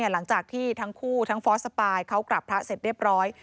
หลังจากที่ทั้งคู่ทั้งฟอสสปายเขากลับพระเสร็จเรียบร้อย